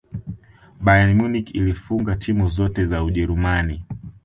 bayern munich ilifunga timu zote za ujeruman